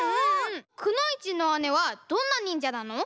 「くのいちの姉」はどんなにんじゃなの？